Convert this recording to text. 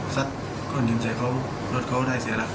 สัดข้อหินเสียเขารถเขาได้เสียแล้ว